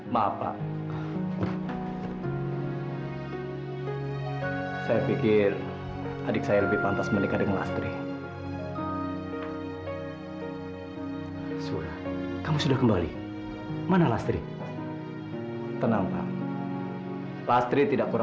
minta pel intranta dari sama esa usai untuk direktur